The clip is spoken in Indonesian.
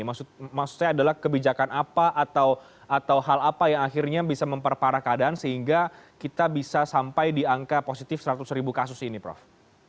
maksudnya adalah kebijakan apa atau hal apa yang akhirnya bisa memperparah keadaan sehingga kita bisa sampai di angka positif seratus ribu kasus ini prof